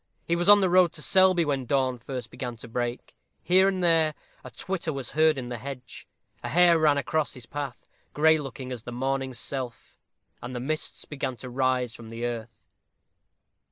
He was on the road to Selby when dawn first began to break. Here and there a twitter was heard in the hedge; a hare ran across his path, gray looking as the morning self; and the mists began to rise from the earth.